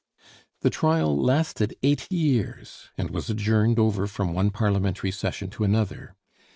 The trial lasted eight years, and was adjourned over from one Parliamentary session to another.